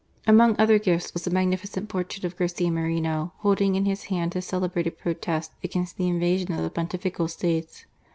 Among other gifts was a magnificent portrait of Garcia Moreno, holding in his hand his celebrated protest against the invasion of the Pontifical States.